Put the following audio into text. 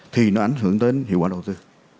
thì nó ảnh hưởng đến hiệu quả đầu tư